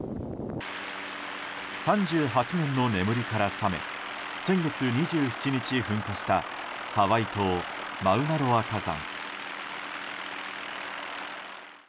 ３８年の眠りから覚め先月２７日噴火したハワイ島マウナロア火山。